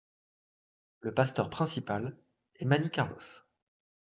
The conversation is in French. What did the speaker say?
Le pasteur principal est Manny Carlos.